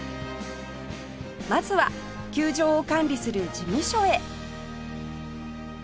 まずは球場を管理する事務所へ